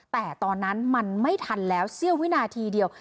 แต่ตอนนั้นมันไม่ทันแล้วเสี้ยววินาทีเดียว